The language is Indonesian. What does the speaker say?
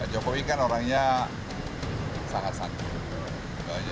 pak jokowi kan orangnya sangat santai